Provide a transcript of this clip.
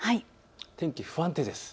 天気、不安定です。